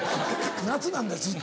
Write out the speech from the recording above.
夏なんだずっと。